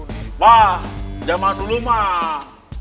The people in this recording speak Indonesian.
wah zaman dulu mah